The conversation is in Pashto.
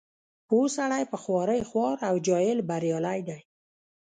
پوه سړی په خوارۍ خوار او جاهل بریالی دی.